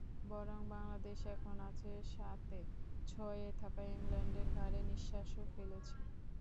বরং বাংলাদেশ এখন আছে সাতে, ছয়ে থাকা ইংল্যান্ডের ঘাড়ে নিশ্বাসও ফেলছে।